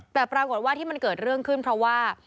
แต่ปรากฏว่าที่มันเกิดเรื่องขึ้นเพราะว่า